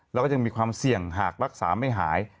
แล้วก็ยังมีความเสี่ยงหากรักษาไม่หาย